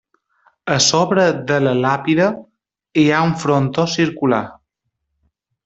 A sobre de la làpida hi ha un frontó circular.